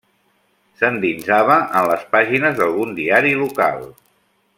S'endinsava en les pàgines d'algun diari local.